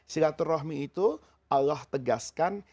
silaturrahmi itu allah tegaskan